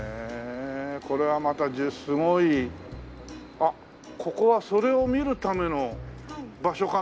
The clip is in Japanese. あっここはそれを見るための場所かな？